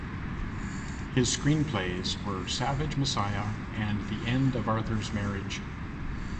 His screenplays were "Savage Messiah" and "The End of Arthur's Marriage".